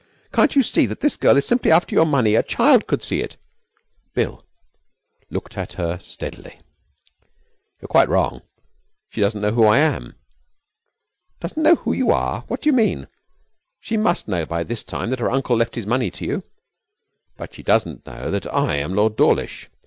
Can't you see that this girl is simply after your money? A child could see it.' Bill looked at her steadily. 'You're quite wrong. She doesn't know who I am.' 'Doesn't know who you are? What do you mean? She must know by this time that her uncle left his money to you.' 'But she doesn't know that I am Lord Dawlish.